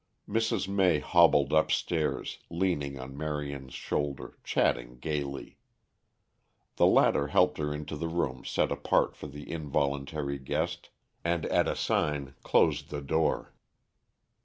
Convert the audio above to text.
Mrs. May hobbled upstairs, leaning on Marion's shoulder, chatting gaily. The latter helped her into the room set apart for the involuntary guest and at a sign closed the door.